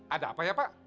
ada apa ya pak